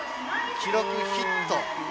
記録、ヒット。